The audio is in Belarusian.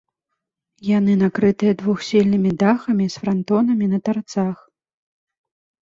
Яны накрытыя двухсхільнымі дахамі з франтонамі на тарцах.